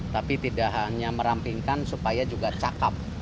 tapi tidak hanya merampingkan supaya juga cakep